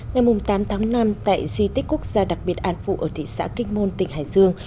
ngày tám tháng năm tại di tích quốc gia đặc biệt an phụ ở thị xã kinh môn tỉnh hải dương